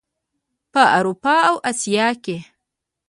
په اروپا او اسیا کې.